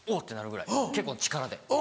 てなるぐらい結構力で。